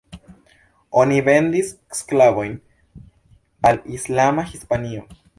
Oni vendis sklavojn al islama Hispanio.